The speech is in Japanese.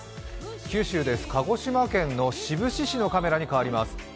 九州です、鹿児島県の志布志市のカメラに変わります。